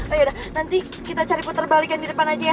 yaudah nanti kita cari puter balik yang di depan aja ya